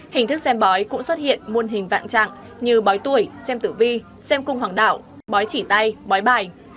hình thức xem bói cũng xuất hiện muôn hình vạn trạng như bói tuổi xem tử vi xem cung hoàng đạo bói chỉ tay bói bài